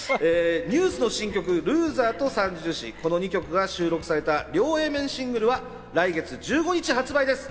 ＮＥＷＳの新曲『ＬＯＳＥＲ』と『三銃士』、この２曲が収録された両Ａ面シングルは来月１５日発売です。